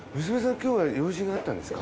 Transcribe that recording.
今日は用事があったんですか？